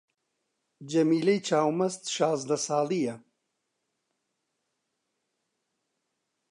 جەمیلەی چاو مەست شازدە ساڵی یە